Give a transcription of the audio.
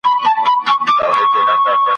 هم به کور وو په ساتلی هم روزلی `